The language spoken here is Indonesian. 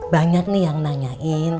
banyak nih yang nanyain